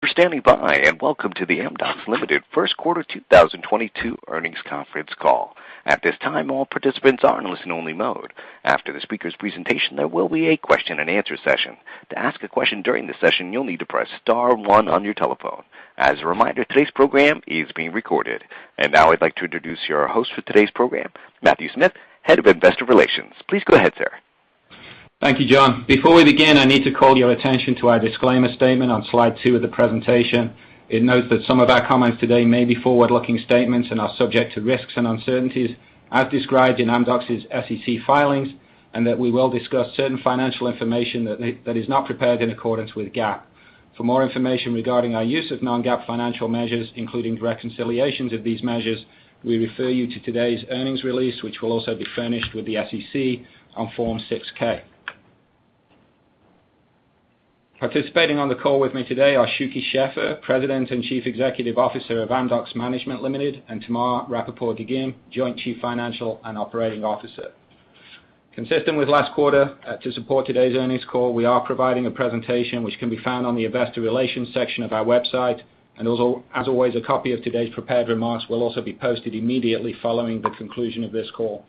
for standing by, and welcome to the Amdocs Limited Q1 2022 earnings Conference Call. At this time, all participants are in listen-only mode. After the speaker's presentation, there will be a question and answer session. To ask a question during the session, you'll need to press star one on your telephone. As a reminder, today's program is being recorded. Now I'd like to introduce your host for today's program, Matthew Smith, Head of Investor Relations. Please go ahead, sir. Thank you, John. Before we begin, I need to call your attention to our disclaimer statement on slide two of the presentation. It notes that some of our comments today may be forward-looking statements and are subject to risks and uncertainties, as described in Amdocs' SEC filings, and that we will discuss certain financial information that is not prepared in accordance with GAAP. For more information regarding our use of non-GAAP financial measures, including reconciliations of these measures, we refer you to today's earnings release, which will also be furnished with the SEC on Form 6-K. Participating on the call with me today are Shuky Sheffer, President and Chief Executive Officer of Amdocs Management Limited, and Tamar Rapaport-Dagim, Joint Chief Financial and Operating Officer. Consistent with last quarter, to support today's earnings call, we are providing a presentation which can be found on the investor relations section of our website. Also, as always, a copy of today's prepared remarks will also be posted immediately following the conclusion of this call.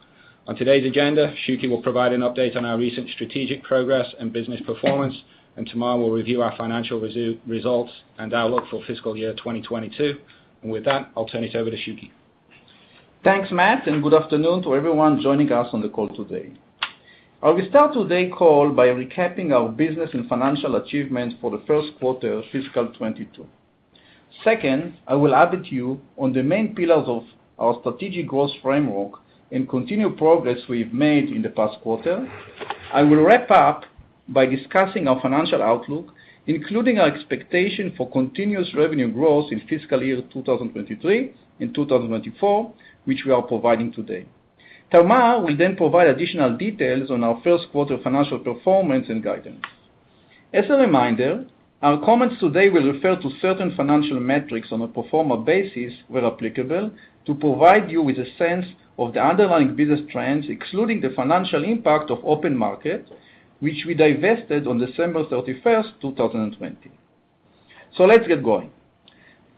On today's agenda, Shuky will provide an update on our recent strategic progress and business performance, and Tamar will review our financial results and outlook for fiscal year 2022. With that, I'll turn it over to Shuky. Thanks, Matt, and good afternoon to everyone joining us on the call today. I will start today's call by recapping our business and financial achievements for the Q1 2022. Second, I will update you on the main pillars of our strategic growth framework and continued progress we've made in the past quarter. I will wrap up by discussing our financial outlook, including our expectation for continuous revenue growth in fiscal year 2023 and 2024, which we are providing today. Tamar will then provide additional details on our Q1 financial performance and guidance. As a reminder, our comments today will refer to certain financial metrics on a pro forma basis where applicable, to provide you with a sense of the underlying business trends, excluding the financial impact of OpenMarket, which we divested on December 31, 2020. Let's get going.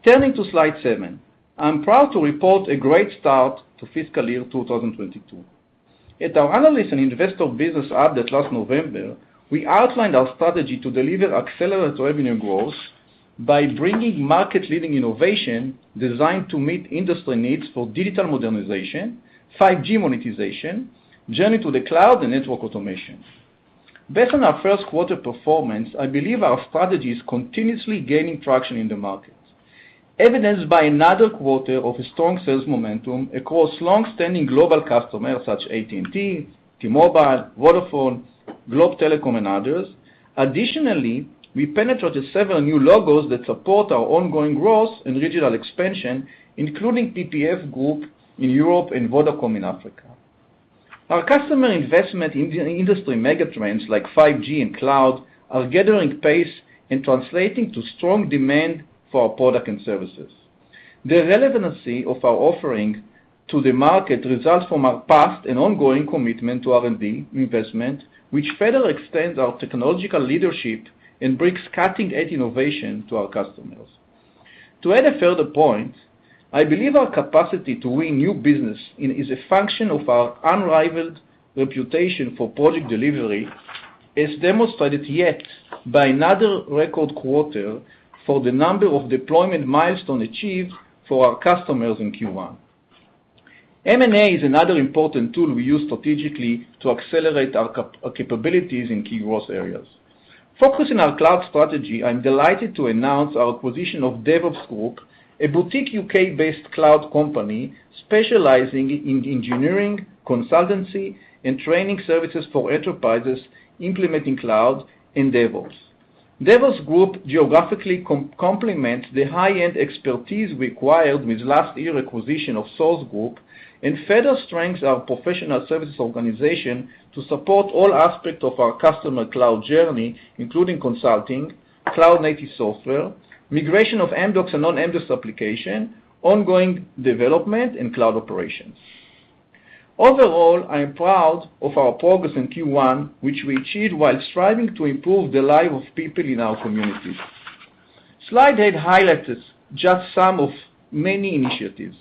Turning to slide 7. I'm proud to report a great start to fiscal year 2022. At our analyst and investor business update last November, we outlined our strategy to deliver accelerated revenue growth by bringing market-leading innovation designed to meet industry needs for digital modernization, 5G monetization, journey to the cloud, and network automation. Based on our Q1 performance, I believe our strategy is continuously gaining traction in the market, evidenced by another quarter of a strong sales momentum across long-standing global customers such as AT&T-Mobile, Vodafone, Globe Telecom, and others. Additionally, we penetrated several new logos that support our ongoing growth and regional expansion, including PPF Group in Europe and Vodacom in Africa. Our customer investment industry mega trends like 5G and cloud are gathering pace and translating to strong demand for our product and services. The relevancy of our offering to the market results from our past and ongoing commitment to R&D investment, which further extends our technological leadership and brings cutting-edge innovation to our customers. To add a further point, I believe our capacity to win new business is a function of our unrivaled reputation for project delivery, as demonstrated by yet another record quarter for the number of deployment milestones achieved for our customers in Q1. M&A is another important tool we use strategically to accelerate our capabilities in key growth areas. Focusing our cloud strategy, I'm delighted to announce our acquisition of DevOpsGroup, a boutique U.K.-based cloud company specializing in engineering, consultancy, and training services for enterprises implementing cloud and DevOps. DevOpsGroup geographically complement the high-end expertise required with last year acquisition of Sourced Group and further strengthens our professional services organization to support all aspects of our customer cloud journey, including consulting, cloud-native software, migration of Amdocs and non-Amdocs application, ongoing development, and cloud operations. Overall, I am proud of our progress in Q1, which we achieved while striving to improve the life of people in our communities. Slide 8 highlights just some of many initiatives.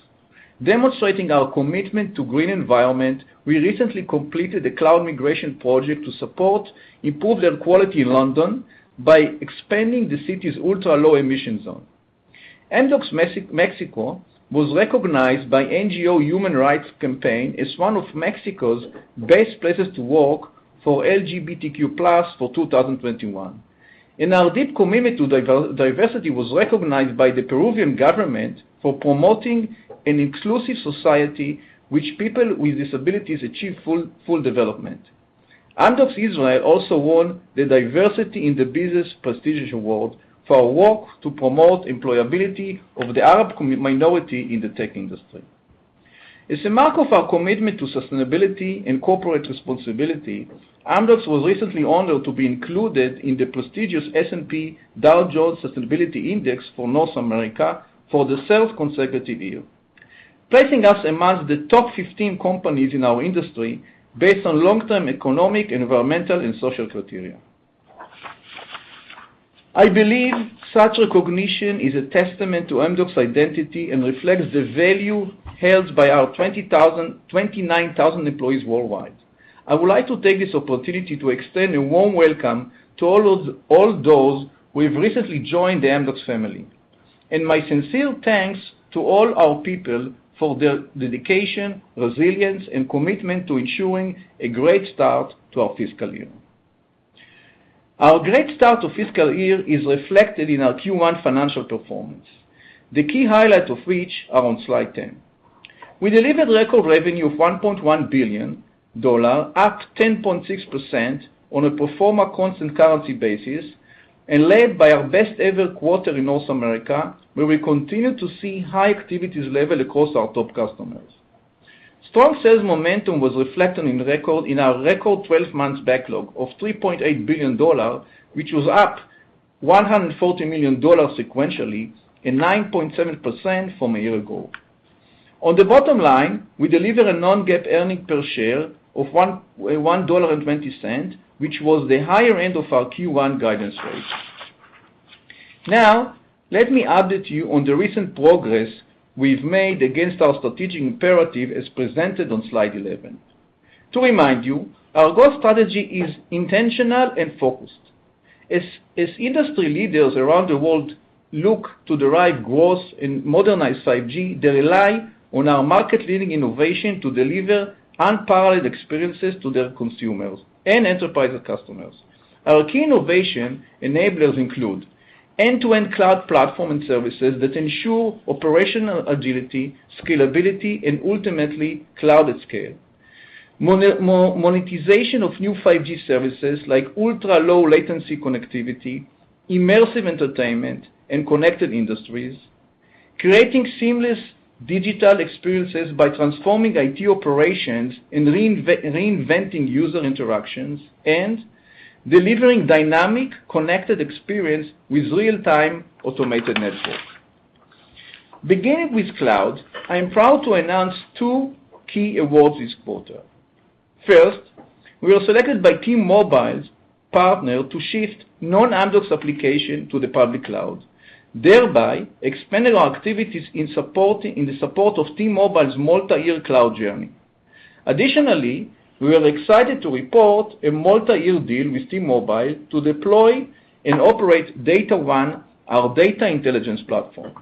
Demonstrating our commitment to green environment, we recently completed a cloud migration project to support improved air quality in London by expanding the city's Ultra Low Emission Zone. Amdocs Mexico was recognized by NGO Human Rights Campaign as one of Mexico's best places to work for LGBTQ+ for 2021. Our deep commitment to diversity was recognized by the Peruvian government for promoting an inclusive society which people with disabilities achieve full development. Amdocs Israel also won the Diversity in the Business prestigious award for our work to promote employability of the Arab minority in the tech industry. As a mark of our commitment to sustainability and corporate responsibility, Amdocs was recently honored to be included in the prestigious S&P Dow Jones Sustainability Index for North America for the third consecutive year, placing us amongst the top 15 companies in our industry based on long-term economic, environmental, and social criteria. I believe such recognition is a testament to Amdocs' identity and reflects the value held by our 29,000 employees worldwide. I would like to take this opportunity to extend a warm welcome to all those who have recently joined the Amdocs family, and my sincere thanks to all our people for their dedication, resilience, and commitment to ensuring a great start to our fiscal year. Our great start to fiscal year is reflected in our Q1 financial performance, the key highlights of which are on slide 10. We delivered record revenue of $1.1 billion, up 10.6% on a pro forma constant currency basis and led by our best ever quarter in North America, where we continue to see high activity level across our top customers. Strong sales momentum was reflected in our record 12-month backlog of $3.8 billion, which was up $140 million sequentially and 9.7% from a year ago. On the bottom-line, we delivered a non-GAAP earnings per share of $1.20, which was the higher-end of our Q1 guidance range. Now, let me update you on the recent progress we've made against our strategic imperative, as presented on slide 11. To remind you, our growth strategy is intentional and focused. As industry leaders around the world look to derive growth in modernized 5G, they rely on our market-leading innovation to deliver unparalleled experiences to their consumers and enterprise customers. Our key innovation enablers include end-to-end cloud platform and services that ensure operational agility, scalability, and ultimately cloud at scale. Monetization of new 5G services like ultra-low latency connectivity, immersive entertainment, and connected industries. Creating seamless digital experiences by transforming IT operations and reinventing user interactions, and delivering dynamic connected experience with real-time automated networks. Beginning with cloud, I am proud to announce two key awards this quarter. First, we were selected by T-Mobile's partner to shift non-Amdocs application to the public cloud, thereby expanding our activities in support of T-Mobile's multi-year cloud journey. Additionally, we are excited to report a multi-year deal with T-Mobile to deploy and operate DataONE, our data intelligence platform.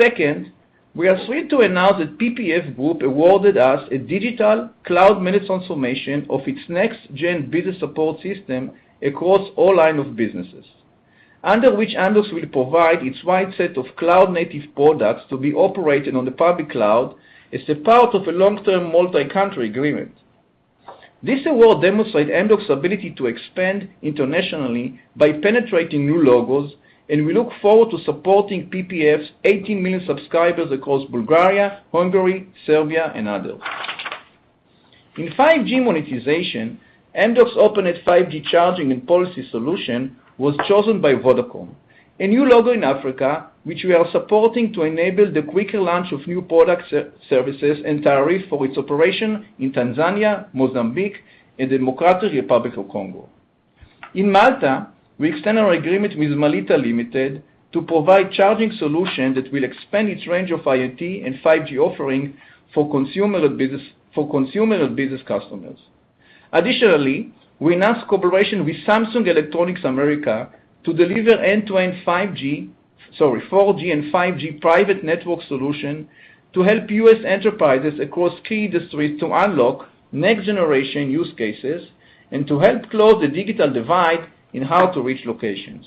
Second, we are thrilled to announce that PPF Group awarded us a digital cloud managed transformation of its next-gen business support system across all lines of business, under which Amdocs will provide its wide set of cloud-native products to be operated on the public cloud as a part of a long-term multi-country agreement. This award demonstrates Amdocs' ability to expand internationally by penetrating new logos, and we look forward to supporting PPF's 18 million subscribers across Bulgaria, Hungary, Serbia, and others. In 5G monetization, Amdocs' Openet 5G Charging and Policy solution was chosen by Vodacom, a new logo in Africa, which we are supporting to enable the quicker launch of new products/services and tariffs for its operation in Tanzania, Mozambique, and Democratic Republic of Congo. In Malta, we extend our agreement with Melita Limited to provide charging solution that will expand its range of IoT and 5G offering for consumer and business customers. Additionally, we announced cooperation with Samsung Electronics America to deliver end-to-end 4G and 5G private network solution to help U.S. enterprises across key industries to unlock next-generation use cases and to help close the digital divide in hard-to-reach locations.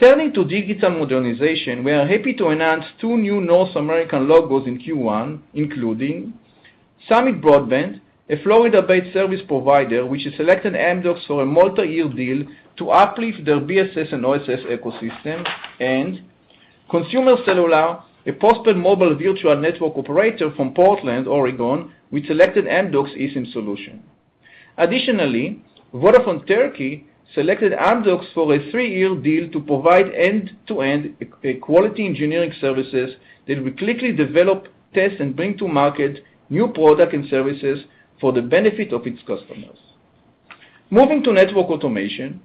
Turning to digital modernization, we are happy to announce two new North American logos in Q1, including Summit Broadband, a Florida-based service provider, which has selected Amdocs for a multi-year deal to uplift their BSS and OSS ecosystem. Consumer Cellular, a post-paid mobile virtual network operator from Portland, Oregon, which selected Amdocs eSIM solution. Additionally, Vodafone Turkey selected Amdocs for a three-year deal to provide end-to-end quality engineering services that will quickly develop, test, and bring to market new product and services for the benefit of its customers. Moving to network automation,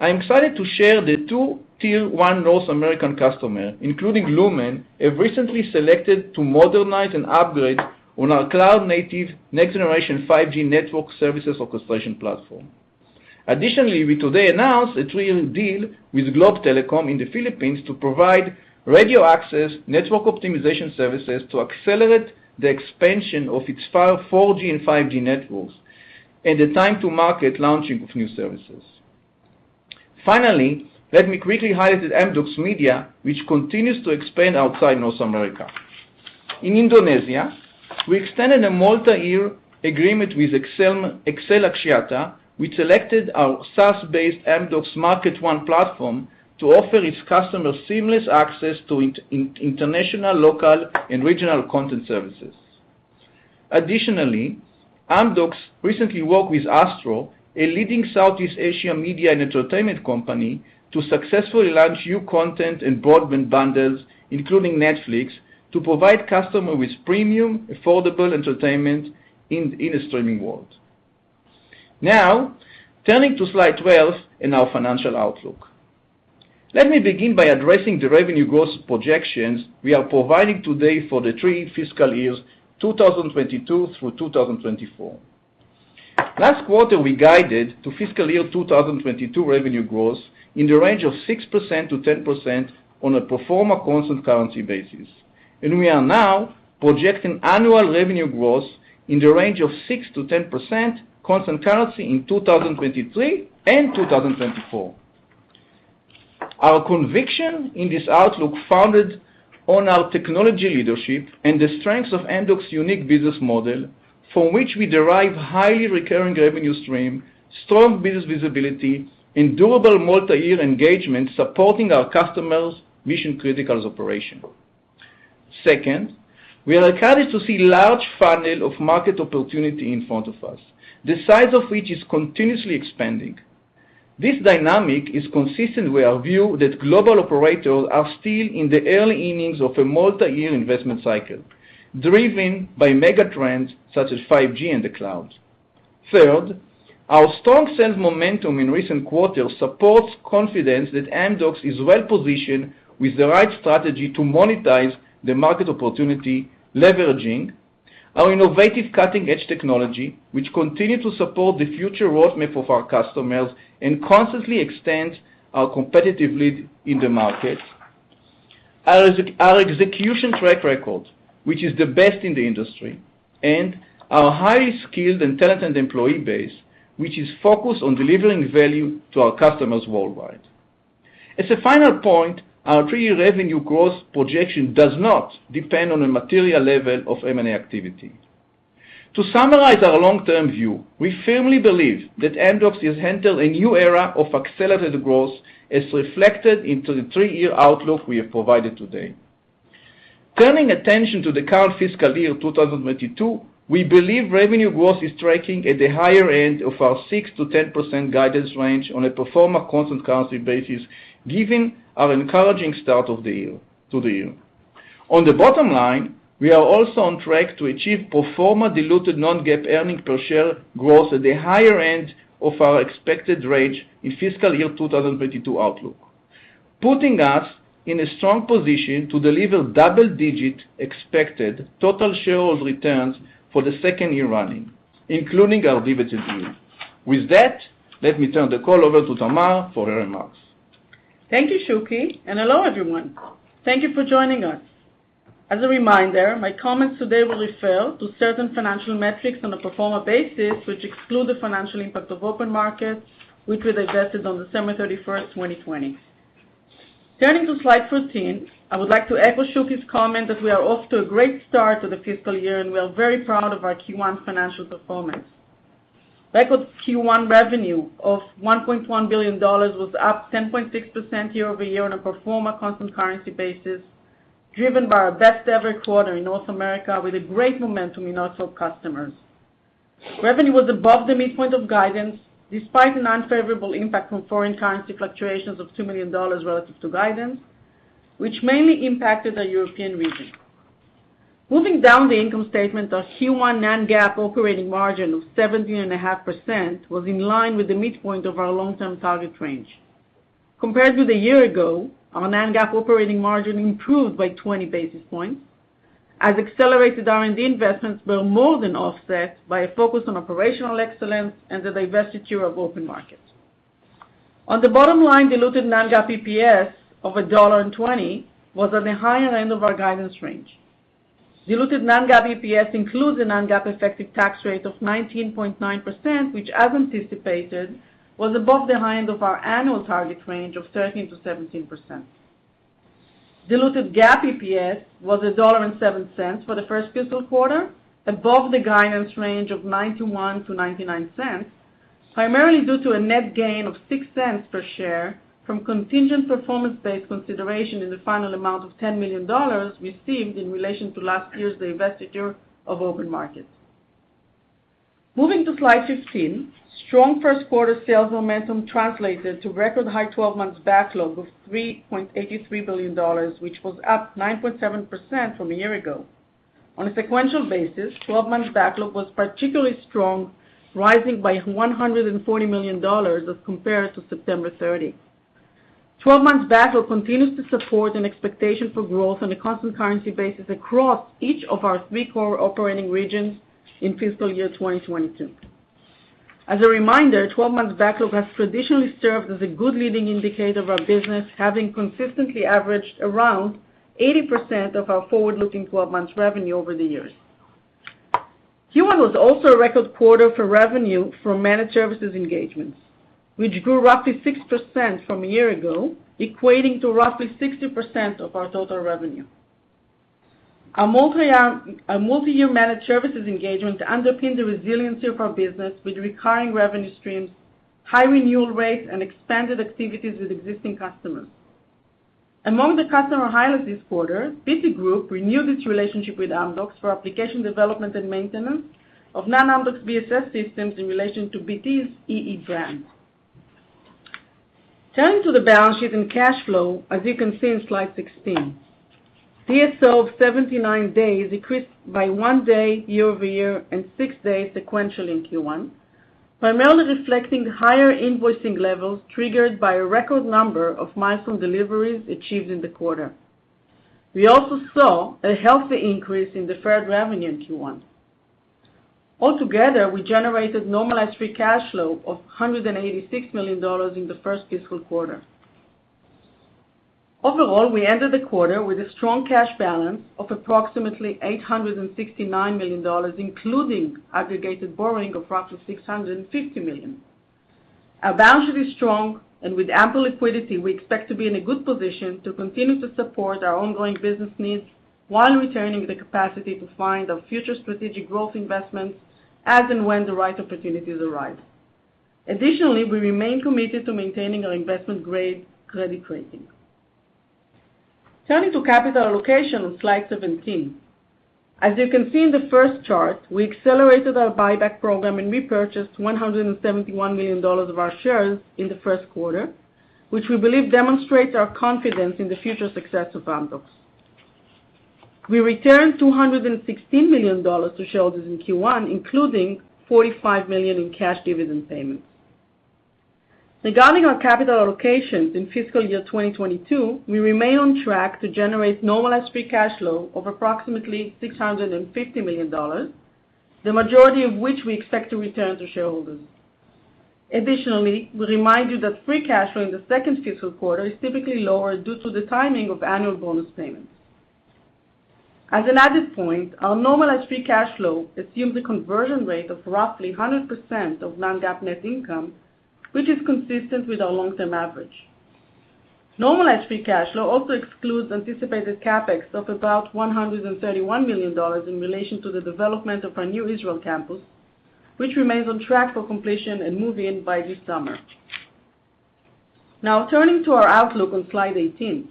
I am excited to share the two tier-one North American customer, including Lumen, have recently selected to modernize and upgrade on our cloud-native next-generation 5G network services orchestration platform. Additionally, we today announced a three-year deal with Globe Telecom in the Philippines to provide radio access network optimization services to accelerate the expansion of its 4G and 5G networks and the time to market launching of new services. Finally, let me quickly highlight Amdocs Media, which continues to expand outside North America. In Indonesia, we extended a multi-year agreement with XL Axiata, which selected our SaaS-based Amdocs MarketONE platform to offer its customers seamless access to international, local, and regional content services. Additionally, Amdocs recently worked with Astro, a leading Southeast Asian media and entertainment company, to successfully launch new content and broadband bundles, including Netflix, to provide customer with premium, affordable entertainment in a streaming world. Now, turning to slide 12 in our financial outlook. Let me begin by addressing the revenue growth projections we are providing today for the three fiscal years, 2022 through 2024. Last quarter, we guided to fiscal year 2022 revenue growth in the range of 6%-10% on a pro forma constant currency basis. We are now projecting annual revenue growth in the range of 6%-10% constant currency in 2023 and 2024. Our conviction in this outlook founded on our technology leadership and the strengths of Amdocs' unique business model, from which we derive highly recurring revenue stream, strong business visibility, and durable multi-year engagement supporting our customers' mission-critical operation. Second, we are excited to see large funnel of market opportunity in front of us, the size of which is continuously expanding. This dynamic is consistent with our view that global operators are still in the early innings of a multi-year investment cycle, driven by mega trends such as 5G and the cloud. Third, our strong sales momentum in recent quarters supports confidence that Amdocs is well-positioned with the right strategy to monetize the market opportunity, leveraging our innovative cutting-edge technology, which continue to support the future roadmap of our customers and constantly extend our competitive lead in the market. Our execution track record, which is the best in the industry, and our highly skilled and talented employee base, which is focused on delivering value to our customers worldwide. As a final point, our three-year revenue growth projection does not depend on a material level of M&A activity. To summarize our long-term view, we firmly believe that Amdocs has entered a new era of accelerated growth, as reflected into the three-year outlook we have provided today. Turning attention to the current fiscal year 2022, we believe revenue growth is tracking at the higher-end of our 6%-10% guidance range on a pro forma constant currency basis, given our encouraging start to the year. On the bottom-line, we are also on track to achieve pro forma diluted non-GAAP earnings per share growth at the higher-end of our expected range in fiscal year 2022 outlook, putting us in a strong position to deliver double-digit expected total shareholders returns for the second year running, including our dividend yield. With that, let me turn the call over to Tamar for her remarks. Thank you, Shuky, and hello, everyone. Thank you for joining us. As a reminder, my comments today will refer to certain financial metrics on a pro forma basis, which exclude the financial impact of OpenMarket, which we divested on December 31, 2020. Turning to slide 13, I would like to echo Shuky's comment that we are off to a great start to the fiscal year, and we are very proud of our Q1 financial performance. Record Q1 revenue of $1.1 billion was up 10.6% year-over-year on a pro forma constant currency basis, driven by our best-ever quarter in North America with a great momentum in our top customers. Revenue was above the midpoint of guidance, despite an unfavorable impact from foreign currency fluctuations of $2 million relative to guidance, which mainly impacted our European region. Moving down the income statement, our Q1 non-GAAP operating margin of 17.5% was in line with the midpoint of our long-term target range. Compared with a year ago, our non-GAAP operating margin improved by 20 basis points, as accelerated R&D investments were more than offset by a focus on operational excellence and the divestiture of OpenMarket. On the bottom-line, diluted non-GAAP EPS of $1.20 was at the higher-end of our guidance range. Diluted non-GAAP EPS includes a non-GAAP effective tax rate of 19.9%, which, as anticipated, was above the high-end of our annual target range of 13%-17%. Diluted GAAP EPS was $1.07 for the first fiscal quarter, above the guidance range of $0.91-$0.99, primarily due to a net gain of $0.06 per share from contingent performance-based consideration in the final amount of $10 million received in relation to last year's divestiture of OpenMarket. Moving to slide 15, strong Q1 sales momentum translated to record high 12-month backlog of $3.83 billion, which was up 9.7% from a year ago. On a sequential basis, 12-month backlog was particularly strong, rising by $140 million as compared to September 30. 12-month backlog continues to support an expectation for growth on a constant currency basis across each of our three core operating regions in fiscal year 2022. As a reminder, 12-month backlog has traditionally served as a good leading indicator of our business, having consistently averaged around 80% of our forward-looking 12-month revenue over the years. Q1 was also a record quarter for revenue from managed services engagements, which grew roughly 6% from a year ago, equating to roughly 60% of our total revenue. Our multi-year managed services engagement underpin the resiliency of our business with recurring revenue streams, high renewal rates, and expanded activities with existing customers. Among the customer highlights this quarter, BT Group renewed its relationship with Amdocs for application development and maintenance of non-Amdocs BSS systems in relation to BT's EE brand. Turning to the balance sheet and cash flow, as you can see in slide 16, DSO of 79 days increased by 1 day year-over-year and 6 days sequentially in Q1, primarily reflecting higher invoicing levels triggered by a record number of milestone deliveries achieved in the quarter. We also saw a healthy increase in deferred revenue in Q1. Altogether, we generated normalized free cash flow of $186 million in the first fiscal quarter. Overall, we ended the quarter with a strong cash balance of approximately $869 million, including aggregated borrowing of roughly $650 million. Our balance sheet is strong, and with ample liquidity, we expect to be in a good position to continue to support our ongoing business needs while retaining the capacity to fund our future strategic growth investments as and when the right opportunities arise. Additionally, we remain committed to maintaining our investment-grade credit rating. Turning to capital allocation on slide 17. As you can see in the first chart, we accelerated our buyback program and repurchased $171 million of our shares in the Q1, which we believe demonstrates our confidence in the future success of Amdocs. We returned $216 million to shareholders in Q1, including $45 million in cash dividend payments. Regarding our capital allocations in fiscal year 2022, we remain on track to generate normalized free cash flow of approximately $650 million, the majority of which we expect to return to shareholders. Additionally, we remind you that free cash flow in the second fiscal quarter is typically lower due to the timing of annual bonus payments. As an added point, our normalized free cash flow assumes a conversion rate of roughly 100% of non-GAAP net income, which is consistent with our long-term average. Normalized free cash flow also excludes anticipated CapEx of about $131 million in relation to the development of our new Israel campus, which remains on track for completion and move-in by this summer. Now turning to our outlook on slide 18.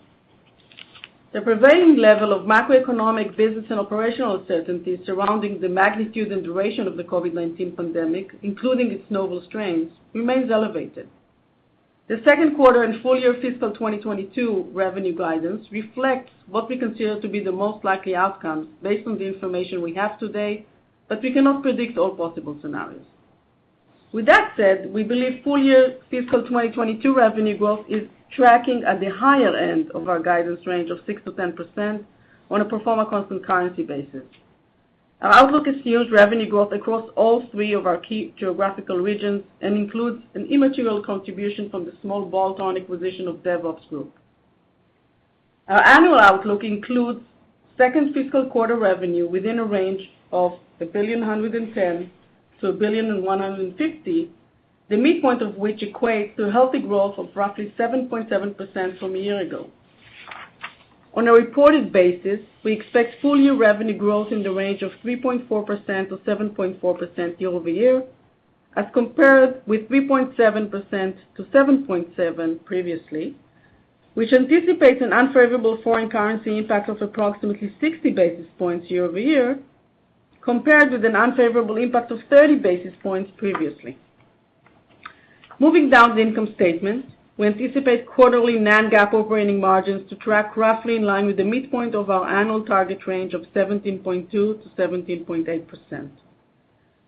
The prevailing level of macroeconomic, business, and operational uncertainties surrounding the magnitude and duration of the COVID-19 pandemic, including its novel strains, remains elevated. The Q2 and full-year fiscal 2022 revenue guidance reflects what we consider to be the most likely outcome based on the information we have today, but we cannot predict all possible scenarios. With that said, we believe full-year fiscal 2022 revenue growth is tracking at the higher-end of our guidance range of 6%-10% on a pro forma constant currency basis. Our outlook assumes revenue growth across all three of our key geographical regions and includes an immaterial contribution from the small bolt-on acquisition of DevOpsGroup. Our annual outlook includes second fiscal quarter revenue within a range of $1.11 billion-$1.15 billion, the midpoint of which equates to a healthy growth of roughly 7.7% from a year ago. On a reported basis, we expect full-year revenue growth in the range of 3.4%-7.4% year-over-year, as compared with 3.7%-7.7% previously, which anticipates an unfavorable foreign currency impact of approximately 60 basis points year-over-year, compared with an unfavorable impact of 30 basis points previously. Moving down the income statement, we anticipate quarterly non-GAAP operating margins to track roughly in line with the midpoint of our annual target range of 17.2%-17.8%.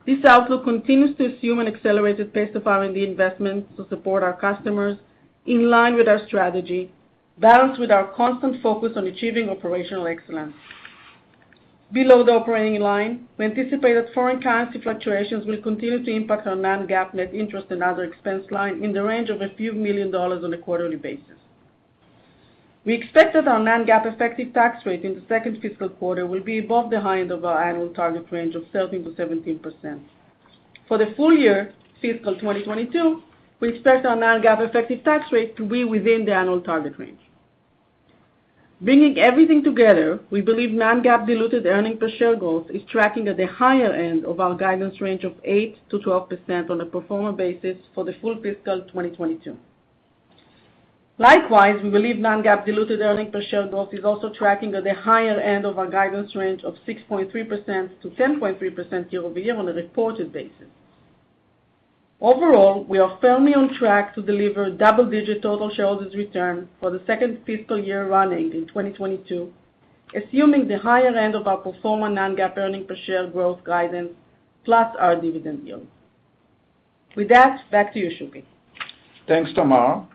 This outlook continues to assume an accelerated pace of R&D investments to support our customers in line with our strategy, balanced with our constant focus on achieving operational excellence. Below the operating line, we anticipate that foreign currency fluctuations will continue to impact our non-GAAP net interest and other expense line in the range of $a few million on a quarterly basis. We expect that our non-GAAP effective tax rate in the second fiscal quarter will be above the high-end of our annual target range of 13%-17%. For the full-year fiscal 2022, we expect our non-GAAP effective tax rate to be within the annual target range. Bringing everything together, we believe non-GAAP diluted earnings per share growth is tracking at the higher-end of our guidance range of 8%-12% on a pro forma basis for the full fiscal 2022. Likewise, we believe non-GAAP diluted earnings per share growth is also tracking at the higher-end of our guidance range of 6.3%-10.3% year-over-year on a reported basis. Overall, we are firmly on track to deliver double-digit total shareholder return for the second fiscal year running in 2022, assuming the higher-end of our pro forma non-GAAP earnings per share growth guidance plus our dividend yield. With that, back to you, Shuky. Thanks, Tamar.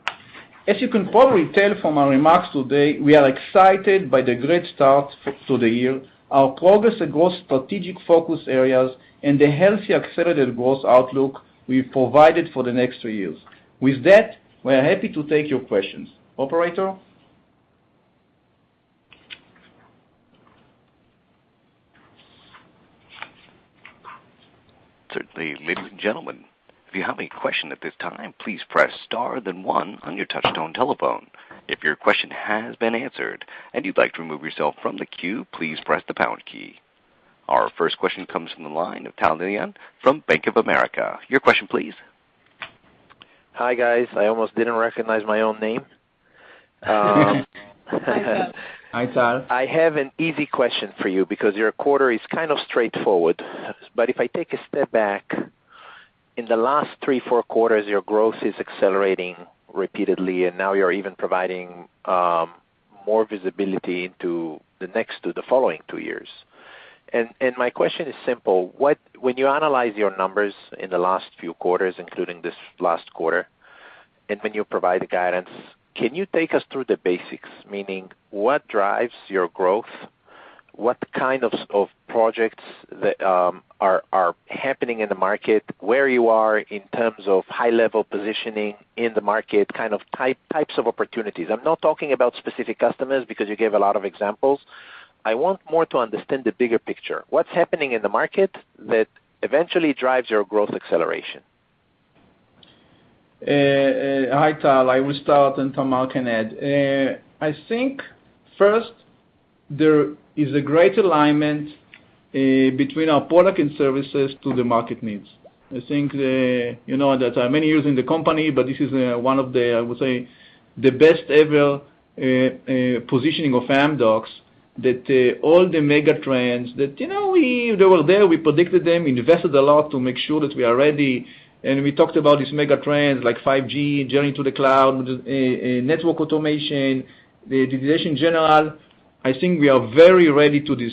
As you can probably tell from our remarks today, we are excited by the great start to the year, our progress across strategic focus areas, and the healthy accelerated growth outlook we've provided for the next three years. With that, we are happy to take your questions. Operator? Certainly. Ladies and gentlemen, if you have a question at this time, please press star then one on your touchtone telephone. If your question has been answered and you'd like to remove yourself from the queue, please press the pound key. Our first question comes from the line of Tal Liani from Bank of America. Your question please. Hi guys. I almost didn't recognize my own name. Hi, Tal. Hi, Tal. I have an easy question for you because your quarter is kind of straightforward. If I take a step back, in the last three, four quarters, your growth is accelerating repeatedly, and now you're even providing more visibility into the next to the following two years. My question is simple. When you analyze your numbers in the last few quarters, including this last quarter, and when you provide the guidance, can you take us through the basics, meaning what drives your growth? What kind of sorts of projects that are happening in the market, where you are in terms of high-level positioning in the market, kind of types of opportunities? I'm not talking about specific customers because you gave a lot of examples. I want more to understand the bigger picture. What's happening in the market that eventually drives your growth acceleration? Hi, Tal. I will start, and Tamar can add. I think first there is a great alignment between our products and services to the market needs. I think, you know, that I'm many years in the company, but this is one of the, I would say, the best ever positioning of Amdocs, that all the mega trends that, you know, we predicted them, invested a lot to make sure that we are ready, and we talked about these mega trends like 5G, journey to the cloud, network automation, general digitization. I think we are very ready to this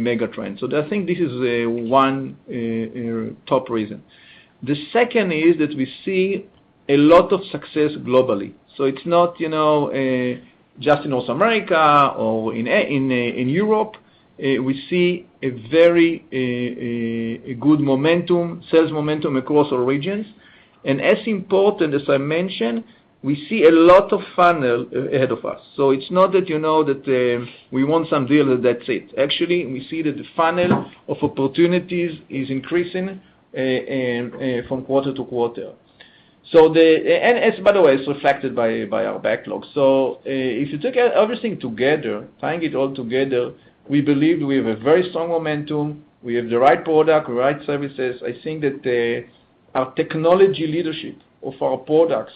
mega trend. I think this is one top reason. The second is that we see a lot of success globally. It's not, you know, just in North America or in Europe. We see a very good momentum, sales momentum across all regions. As important, as I mentioned, we see a lot of funnel ahead of us. It's not that you know that we won some deal and that's it. Actually, we see that the funnel of opportunities is increasing from quarter-to-quarter. It's, by the way, it's reflected by our backlog. If you took everything together, tying it all together, we believe we have a very strong momentum, we have the right product, the right services. I think that our technology leadership of our products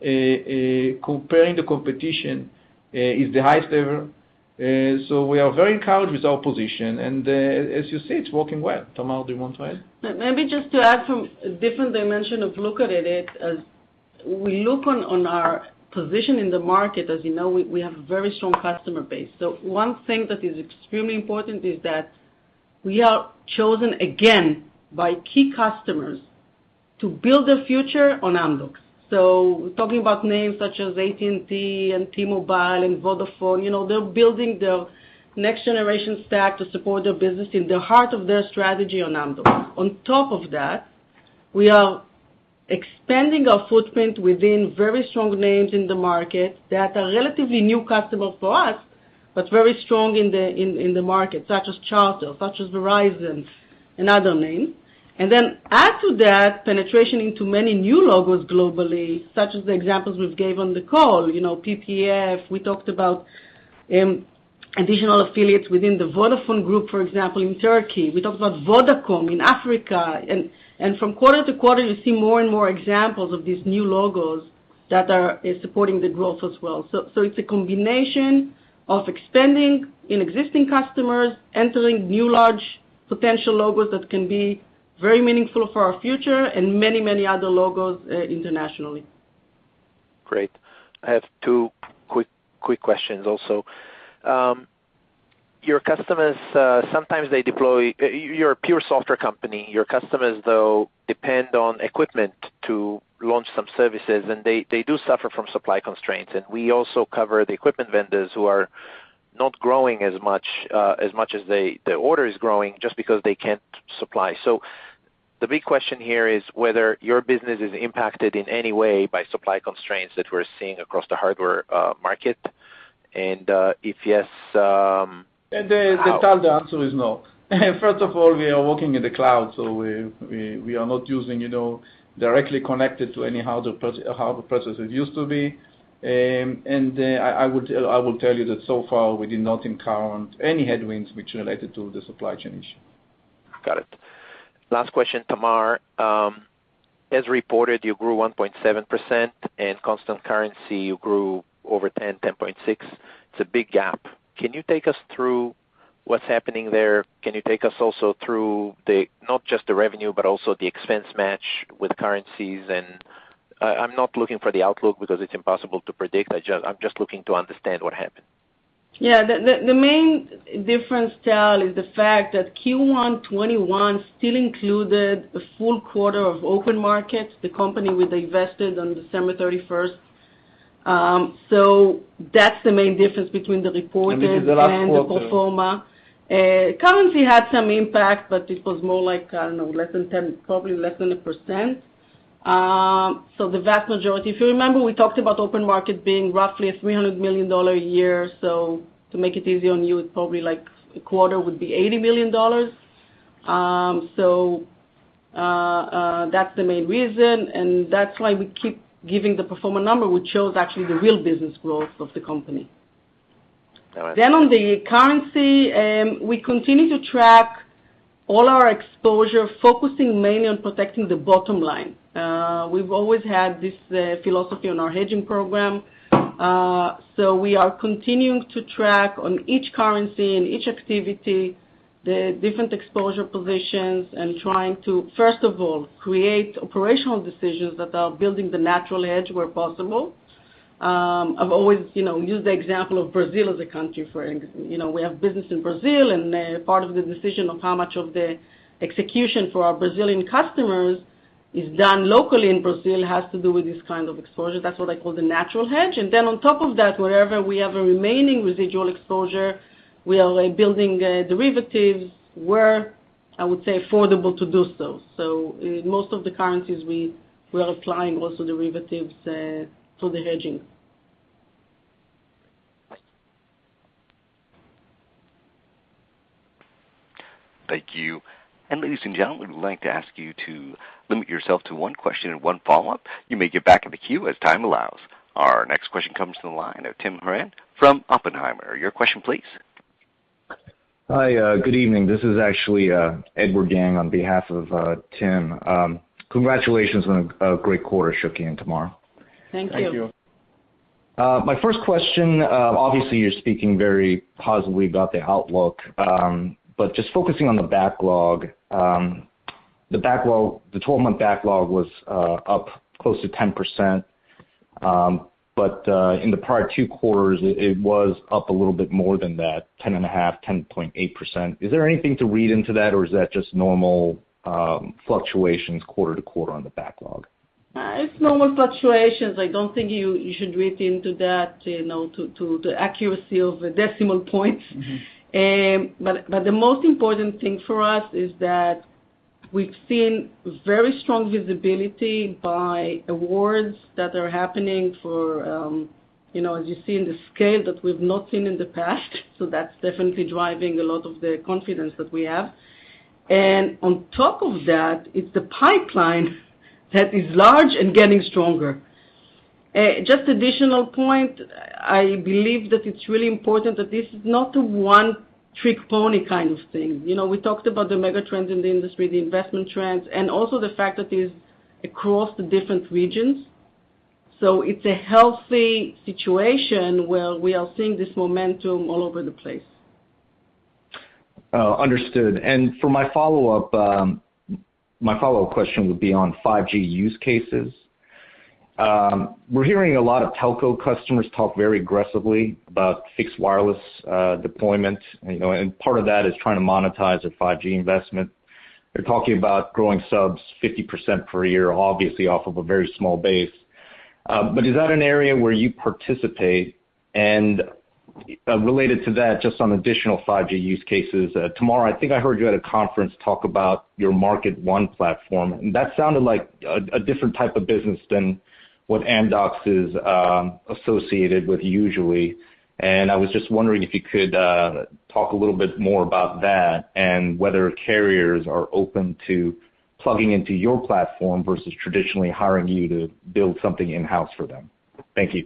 comparing the competition is the highest ever. We are very encouraged with our position, and as you see, it's working well. Tamar, do you want to add? Maybe just to add some different dimension of look at it, as we look on our position in the market, as you know, we have a very strong customer base. One thing that is extremely important is that we are chosen again by key customers to build their future on Amdocs. Talking about names such as AT&T and T-Mobile and Vodafone, you know, they're building their next generation stack to support their business in the heart of their strategy on Amdocs. On top of that, we are expanding our footprint within very strong names in the market that are relatively new customers for us, but very strong in the market, such as Charter, such as Verizon and other names. Add to that penetration into many new logos globally, such as the examples we've gave on the call. You know, PPF, we talked about additional affiliates within the Vodafone Group, for example, in Turkey. We talked about Vodacom in Africa. From quarter-to-quarter, you see more and more examples of these new logos that are supporting the growth as well. It's a combination of expanding in existing customers, entering new large potential logos that can be very meaningful for our future and many, many other logos internationally. Great. I have two quick questions also. You're a pure software company. Your customers, though, depend on equipment to launch some services, and they do suffer from supply constraints. We also cover the equipment vendors who are not growing as much as the order is growing just because they can't supply. The big question here is whether your business is impacted in any way by supply constraints that we're seeing across the hardware market. If yes, how? Tal, the answer is no. First of all, we are working in the cloud, so we are not using, you know, directly connected to any hardware process. It used to be. I will tell you that so far, we did not encounter any headwinds which related to the supply chain issue. Got it. Last question, Tamar. As reported, you grew 1.7%. In constant currency, you grew over 10.6%. It's a big gap. Can you take us through what's happening there? Can you take us also through the, not just the revenue, but also the expense match with currencies? I'm not looking for the outlook because it's impossible to predict. I'm just looking to understand what happened. Yeah. The main difference, Tal, is the fact that Q1 2021 still included the full-quarter of OpenMarket, the company we divested on December thirty-first. That's the main difference between the reported- This is the last quarter.... and the pro forma. Currency had some impact, but it was more like, I don't know, less than 10%, probably less than 1%. So the vast majority. If you remember, we talked about OpenMarket being roughly $300 million a year. So to make it easy on you, it's probably like a quarter would be $80 million. That's the main reason, and that's why we keep giving the pro forma number, which shows actually the real business growth of the company. On the currency, we continue to track all our exposure, focusing mainly on protecting the bottom-line. We've always had this philosophy on our hedging program. We are continuing to track on each currency and each activity, the different exposure positions and trying to, first of all, create operational decisions that are building the natural hedge where possible. I've always, you know, used the example of Brazil as a country. You know, we have business in Brazil, and part of the decision of how much of the execution for our Brazilian customers is done locally in Brazil has to do with this kind of exposure. That's what I call the natural hedge. On top of that, wherever we have a remaining residual exposure, we are building derivatives where, I would say, affordable to do so. In most of the currencies we are applying also derivatives to the hedging. Thank you. Ladies and gentlemen, we would like to ask you to limit yourself to one question and one follow-up. You may get back in the queue as time allows. Our next question comes to the line of Tim Horan from Oppenheimer. Your question please. Hi, good evening. This is actually Edward Gang on behalf of Tim. Congratulations on a great quarter, Shuky and Tamar. Thank you. Thank you. My first question, obviously you're speaking very positively about the outlook, but just focusing on the backlog. The backlog, the 12-month backlog was up close to 10%, but in the prior 2 quarters it was up a little bit more than that, 10.5, 10.8%. Is there anything to read into that or is that just normal fluctuations quarter-to-quarter on the backlog? It's normal fluctuations. I don't think you should read into that, you know, to accuracy of the decimal points. Mm-hmm. But the most important thing for us is that we've seen very strong visibility by awards that are happening for, you know, as you see in the scale that we've not seen in the past, so that's definitely driving a lot of the confidence that we have. On top of that, it's the pipeline that is large and getting stronger. Just additional point, I believe that it's really important that this is not a one trick pony kind of thing. You know, we talked about the mega trends in the industry, the investment trends, and also the fact that it's across the different regions. It's a healthy situation where we are seeing this momentum all over the place. Oh, understood. For my follow-up question would be on 5G use cases. We're hearing a lot of telco customers talk very aggressively about fixed wireless deployment, you know, and part of that is trying to monetize a 5G investment. They're talking about growing subs 50% per year, obviously off of a very small base. Is that an area where you participate? Related to that, just on additional 5G use cases, Tamar, I think I heard you at a conference talk about your MarketONE platform, and that sounded like a different type of business than what Amdocs is associated with usually. I was just wondering if you could talk a little bit more about that and whether carriers are open to plugging into your platform versus traditionally hiring you to build something in-house for them? Thank you.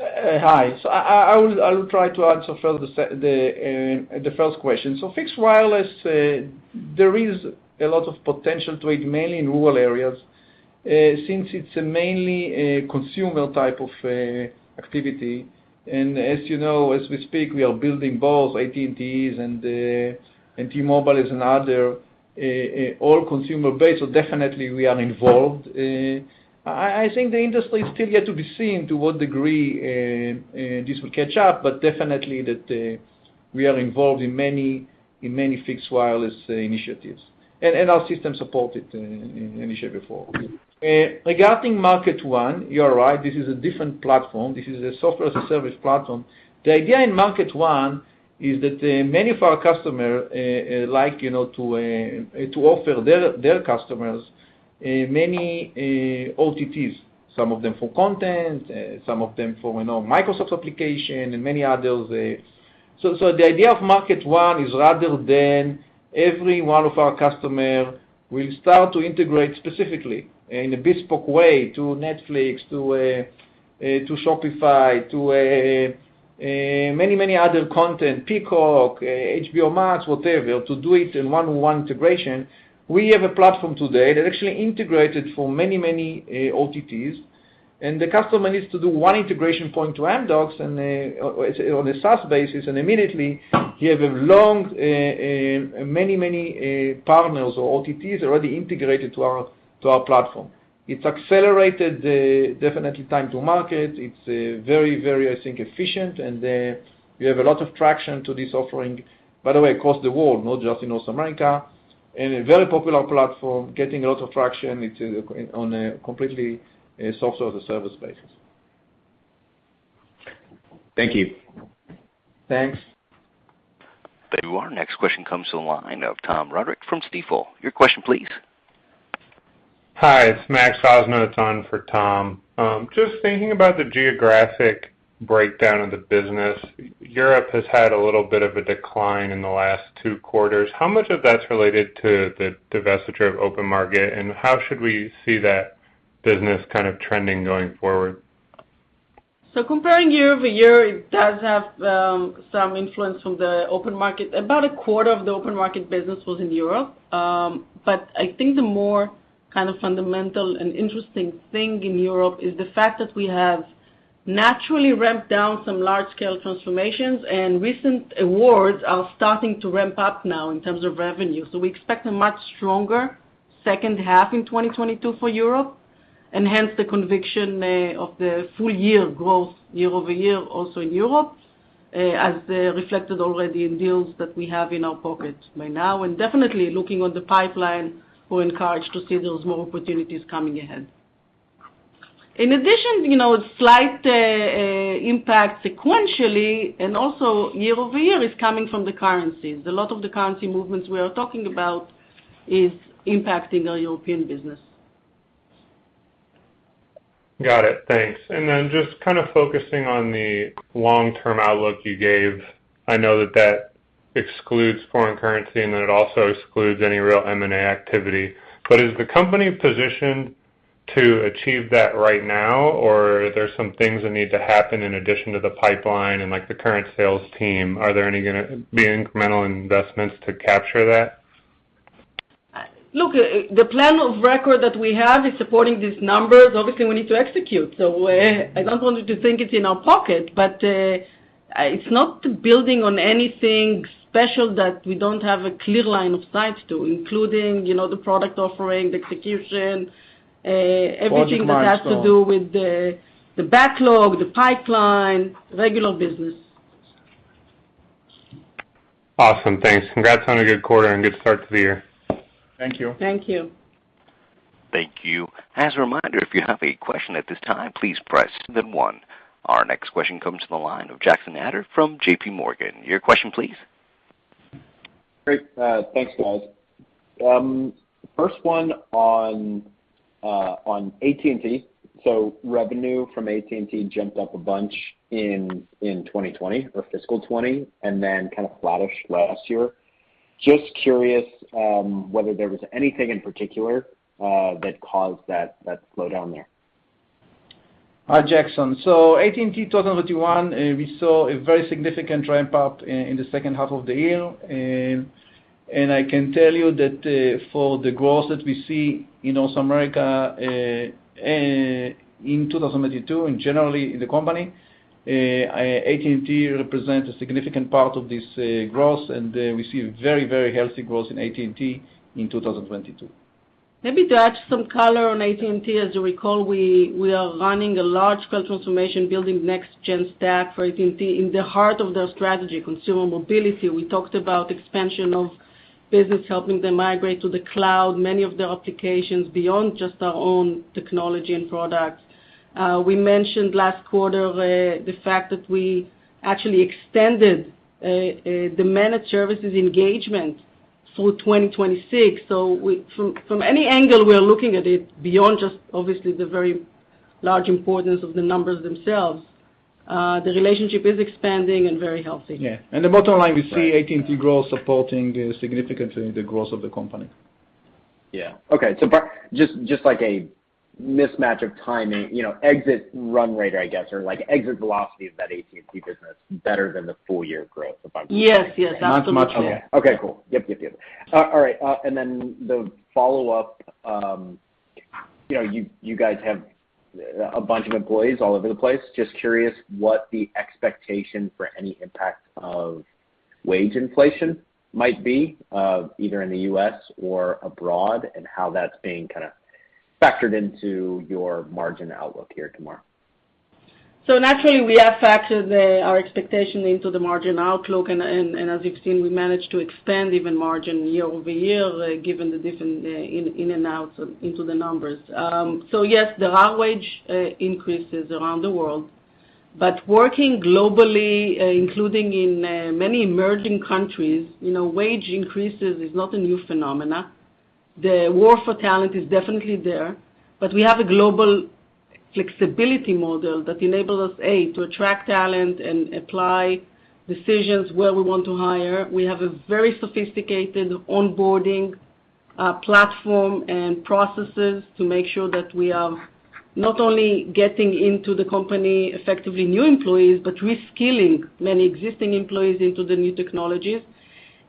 Hi. I will try to answer first the first question. Fixed wireless, there is a lot of potential to it, mainly in rural areas, since it's mainly a consumer type of activity. As you know, as we speak, we are building both AT&T's and T-Mobile's, another all consumer base, so definitely we are involved. I think the industry still yet to be seen to what degree this will catch up, but definitely we are involved in many fixed wireless initiatives. Our systems support it in any shape or form. Regarding MarketONE, you are right, this is a different platform. This is a software service platform. The idea in MarketONE is that many of our customer, like, you know, to offer their customers many OTTs, some of them for content, some of them for, you know, Microsoft application and many others. The idea of MarketONE is rather than every one of our customer will start to integrate specifically in a bespoke way to Netflix, to Shopify, to many other content, Peacock, HBO Max, whatever, to do it in one-on-one integration. We have a platform today that actually integrated for many OTTs, and the customer needs to do one integration point to Amdocs and, or say on a SaaS basis, and immediately you have along with many partners or OTTs already integrated to our platform. It's accelerated definitely time to market. It's very, I think, efficient, and we have a lot of traction to this offering, by the way, across the world, not just in North America, and a very popular platform, getting a lot of traction on a completely software as a service basis. Thank you. Thanks. Our next question comes to the line of Tom Roderick from Stifel. Your question please. Hi, it's Max Osmer on for Tom. Just thinking about the geographic breakdown of the business. Europe has had a little bit of a decline in the last two quarters. How much of that's related to the divestiture of OpenMarket, and how should we see that business kind of trending going forward? Comparing year-over-year, it does have some influence from the OpenMarket. About a quarter of the OpenMarket business was in Europe. But I think the more kind of fundamental and interesting thing in Europe is the fact that we have naturally ramped down some large-scale transformations, and recent awards are starting to ramp up now in terms of revenue. We expect a much stronger second half in 2022 for Europe, and hence the conviction of the full-year growth year-over-year also in Europe, as reflected already in deals that we have in our pocket by now. Definitely looking on the pipeline, we're encouraged to see those more opportunities coming ahead. In addition, you know, slight impact sequentially and also year-over-year is coming from the currencies. A lot of the currency movements we are talking about is impacting our European business. Got it. Thanks. Just kind of focusing on the long-term outlook you gave, I know that that excludes foreign currency and then it also excludes any real M&A activity, but is the company positioned to achieve that right now, or are there some things that need to happen in addition to the pipeline and like the current sales team? Are there any gonna be incremental investments to capture that? Look, the plan of record that we have is supporting these numbers. Obviously, we need to execute, so I don't want you to think it's in our pocket, but it's not building on anything special that we don't have a clear line of sight to, including, you know, the product offering, the execution. Logistics Everything that has to do with the backlog, the pipeline, regular business. Awesome. Thanks. Congrats on a good quarter and good start to the year. Thank you. Thank you. Thank you. As a reminder, if you have a question at this time, please press star one. Our next question comes to the line of Jackson Ader from JPMorgan. Your question please. Great. Thanks guys. First one on AT&T. Revenue from AT&T jumped up a bunch in 2020, or fiscal 2020, and then kind of flattish last year. Just curious whether there was anything in particular that caused that slowdown there. Hi, Jackson, AT&T 2021, we saw a very significant ramp up in the second half of the year. I can tell you that, for the growth that we see in North America, in 2022 and generally in the company, AT&T represents a significant part of this growth, and we see very, very healthy growth in AT&T in 2022. Maybe to add some color on AT&T, as you recall, we are running a large cultural transformation building next gen stack for AT&T in the heart of their strategy, consumer mobility. We talked about expansion of business, helping them migrate to the cloud, many of their applications beyond just our own technology and products. We mentioned last quarter the fact that we actually extended the managed services engagement through 2026. From any angle we are looking at it, beyond just obviously the very large importance of the numbers themselves, the relationship is expanding and very healthy. The bottom-line, we see AT&T growth supporting significantly the growth of the company. Yeah. Okay. Just like a mismatch of timing, you know, exit run rate, I guess, or like exit velocity of that AT&T business better than the full-year growth, if I'm- Yes, yes. Not much. Okay. Cool. Yep. All right, the follow-up, you know, you guys have a bunch of employees all over the place. Just curious what the expectation for any impact of wage inflation might be, either in the U.S. or abroad, and how that's being kind of factored into your margin outlook here tomorrow. Naturally we have factored our expectation into the margin outlook and as you've seen, we managed to expand even margin year-over-year given the different ins and outs in the numbers. Yes, there are wage increases around the world, but working globally, including in many emerging countries, you know, wage increases is not a new phenomena. The war for talent is definitely there. We have a global flexibility model that enables us to attract talent and apply decisions where we want to hire. We have a very sophisticated onboarding platform and processes to make sure that we are not only getting into the company effectively new employees, but reskilling many existing employees into the new technologies.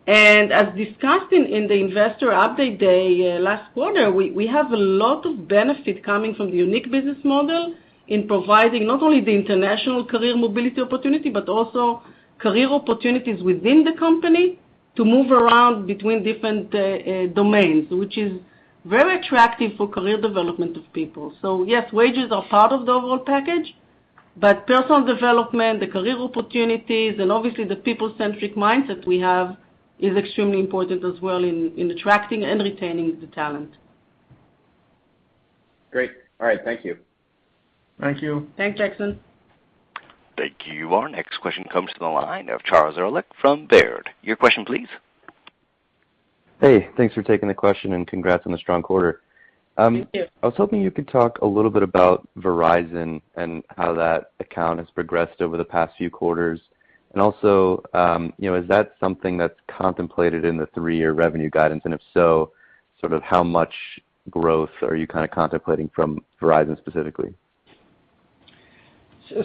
As discussed in the Investor Update Day last quarter, we have a lot of benefit coming from the unique business model in providing not only the international career mobility opportunity, but also career opportunities within the company to move around between different domains, which is very attractive for career development of people. Yes, wages are part of the overall package, but personal development, the career opportunities, and obviously the people-centric mindset we have is extremely important as well in attracting and retaining the talent. Great. All right. Thank you. Thank you. Thanks, Jackson. Thank you. Our next question comes to the line of Charles Uhlich from Baird. Your question please. Hey, thanks for taking the question, and congrats on the strong quarter. Thank you. I was hoping you could talk a little bit about Verizon and how that account has progressed over the past few quarters? You know, is that something that's contemplated in the three-year revenue guidance? If so, sort of how much growth are you kinda contemplating from Verizon specifically?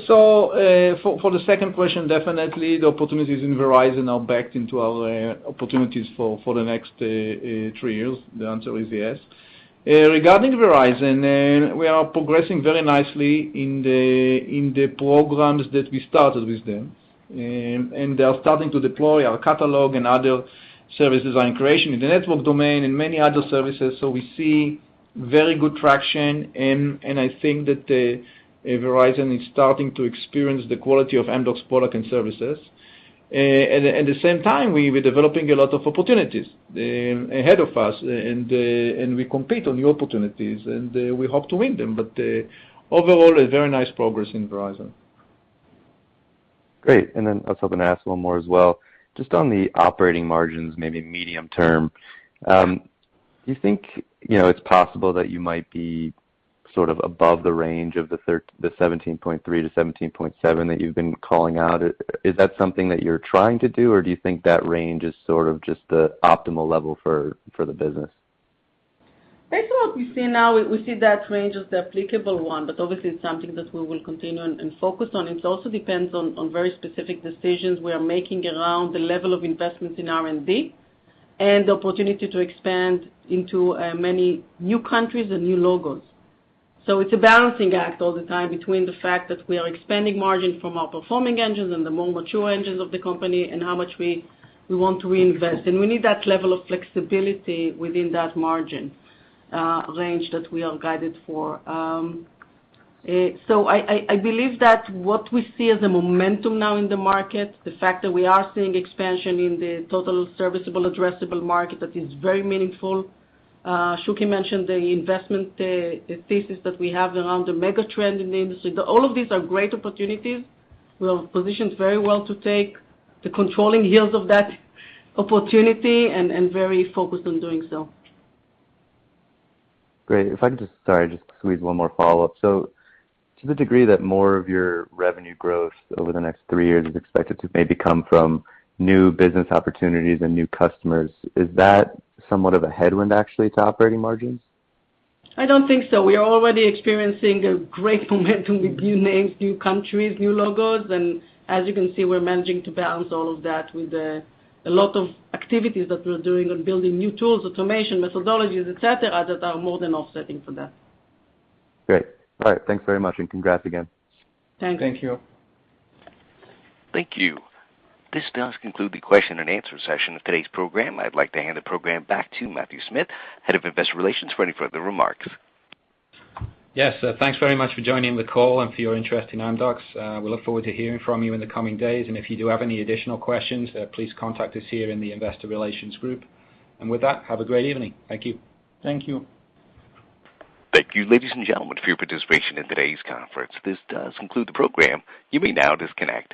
For the second question, definitely the opportunities in Verizon are baked into our opportunities for the next three years. The answer is yes. Regarding Verizon, we are progressing very nicely in the programs that we started with them. They are starting to deploy our catalog and other services, orchestration in the network domain and many other services. We see very good traction, and I think that Verizon is starting to experience the quality of Amdocs product and services. At the same time, we were developing a lot of opportunities ahead of us, and we compete on new opportunities, and we hope to win them. Overall, a very nice progress in Verizon. Great. I was hoping to ask one more as well. Just on the operating margins, maybe medium term, do you think, you know, it's possible that you might be sort of above the range of the 17.3%-17.7% that you've been calling out? Is that something that you're trying to do, or do you think that range is sort of just the optimal level for the business? Based on what we see now, we see that range as the applicable one, but obviously it's something that we will continue and focus on. It also depends on very specific decisions we are making around the level of investments in R&D and the opportunity to expand into many new countries and new logos. It's a balancing act all the time between the fact that we are expanding margin from our performing engines and the more mature engines of the company and how much we want to reinvest. We need that level of flexibility within that margin range that we are guided for. I believe that what we see as a momentum now in the market, the fact that we are seeing expansion in the total serviceable addressable market, that is very meaningful. Shuky mentioned the investment thesis that we have around the mega trend in the industry. All of these are great opportunities. We are positioned very well to take the controlling share of that opportunity and very focused on doing so. Great. Sorry, just squeeze one more follow-up. To the degree that more of your revenue growth over the next three years is expected to maybe come from new business opportunities and new customers, is that somewhat of a headwind, actually, to operating margins? I don't think so. We are already experiencing a great momentum with new names, new countries, new logos, and as you can see, we're managing to balance all of that with a lot of activities that we're doing on building new tools, automation, methodologies, et cetera, that are more than offsetting for that. Great. All right. Thanks very much, and congrats again. Thanks. Thank you. Thank you. This does conclude the question and answer session of today's program. I'd like to hand the program back to Matthew Smith, Head of Investor Relations, for any further remarks. Yes. Thanks very much for joining the call and for your interest in Amdocs. We look forward to hearing from you in the coming days. If you do have any additional questions, please contact us here in the Investor Relations group. With that, have a great evening. Thank you. Thank you. Thank you, ladies and gentlemen, for your participation in today's conference. This does conclude the program. You may now disconnect.